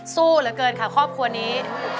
สู้เหลือเกินค่ะครอบครัวนี้